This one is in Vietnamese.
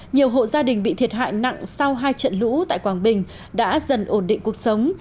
nhiều hộ gia đình bị thiệt hại nặng sau hai trận lũ tại quảng bình đã dần ổn định cuộc sống